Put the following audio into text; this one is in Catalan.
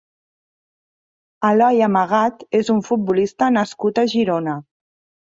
Eloi Amagat és un futbolista nascut a Girona.